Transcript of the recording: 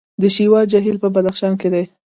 د شیوا جهیل په بدخشان کې دی